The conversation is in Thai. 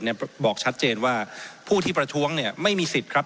บอกชัดเจนว่าผู้ที่ประท้วงเนี่ยไม่มีสิทธิ์ครับ